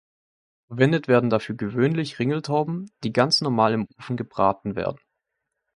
Verwendet werden dafür gewöhnlich Ringeltauben, die ganz normal im Ofen gebraten werden.